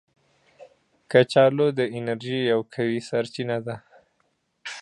کچالو د انرژي یو قوي سرچینه ده